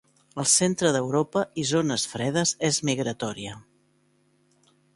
Al centre d'Europa i zones fredes és migratòria.